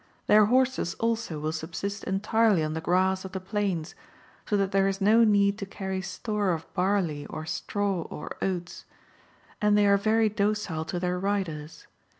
Their horses also will subsist entirely on the grass of the plains, so that there is no need to carry store of barley or straw or oats ; and they are very docile to their riders.